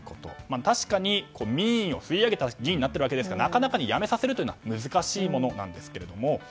確かに民意を吸い上げた議員になっているわけですからなかなか辞めさせるのは難しいものなんですけども。